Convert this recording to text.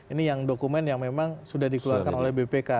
ini yang dokumen yang memang sudah dikeluarkan oleh bpk